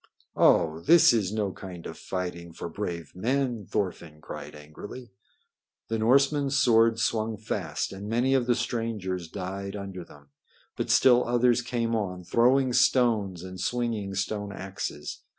"Oh, this is no kind of fighting for brave men!" Thorfinn cried angrily. The Norsemen's swords swung fast, and many of the strangers died under them, but still others came on, throwing stones and swinging stone axes.